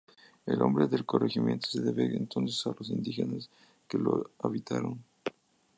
El nombre del corregimiento se debe entonces a los indígenas que lo habitaron.